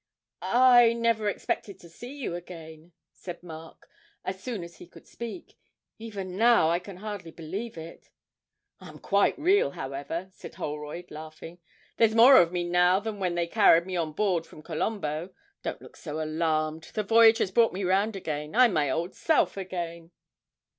'I never expected to see you again,' said Mark, as soon as he could speak; 'even now I can hardly believe it.' 'I'm quite real, however,' said Holroyd, laughing; 'there's more of me now than when they carried me on board from Colombo; don't look so alarmed the voyage has brought me round again, I'm my old self again.'